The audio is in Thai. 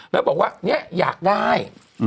แล้วบอกว่าเนี่ยอยากได้